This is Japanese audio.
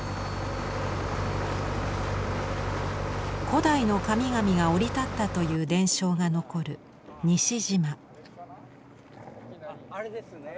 古代の神々が降り立ったという伝承が残るあれですね。